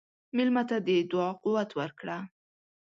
مېلمه ته د دعا قوت ورکړه.